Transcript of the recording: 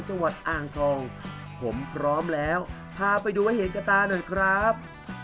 กฎอ่างทองผมพร้อมแล้วพาไปดูเขตกะตาหน่อยครับ